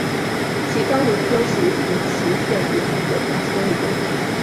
奇肛鲈科是辐鳍鱼纲鲑鲈目的其中一科。